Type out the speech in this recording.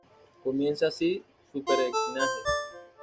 Comienza así su peregrinaje.